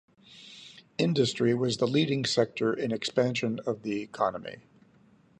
Industry was the leading sector in expansion of the economy.